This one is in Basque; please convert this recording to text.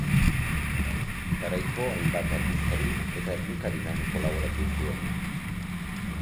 Garaiko hainbat aldizkari eta egunkaritan kolaboratu zuen.